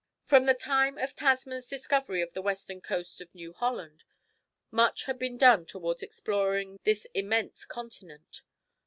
From the time of Tasman's discovery of the western coast of New Holland, much had been done towards exploring this immense continent.